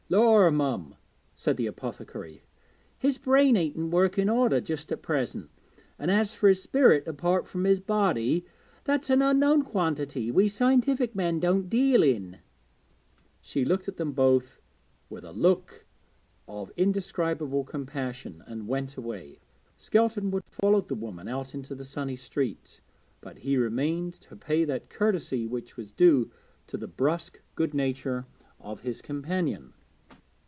'Lor, mum,' said the apothecary, 'his brain ain't in working order just at present, and as for his spirit apart from his body, that's an unknown quantity we scientific men don't deal in.' She looked at them both with a look of indescribable compassion, and went away. Skelton would fain have followed the woman out into the sunny street, but he remained to pay that courtesy which was due to the brusque good nature of his companion.